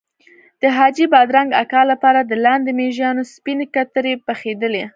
د حاجي بادرنګ اکا لپاره د لاندې مږانو سپینې کترې پخېدلې.